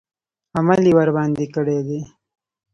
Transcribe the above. عمل یې ورباندې کړی دی.